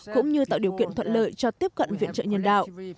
cũng như tạo điều kiện thuận lợi cho tiếp cận viện trợ nhân đạo